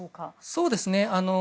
そうですね。